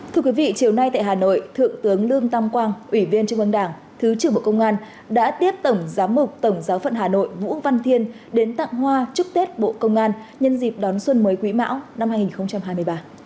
thưa quý vị chiều nay tại hà nội thượng tướng lương tam quang ủy viên trung ương đảng thứ trưởng bộ công an đã tiếp tổng giám mục tổng giáo phận hà nội vũ văn thiên đến tặng hoa chúc tết bộ công an nhân dịp đón xuân mới quý mão năm hai nghìn hai mươi ba